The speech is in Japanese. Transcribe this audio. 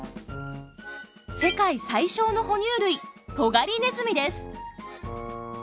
世界最小の哺乳類トガリネズミです。